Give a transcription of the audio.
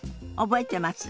覚えてます？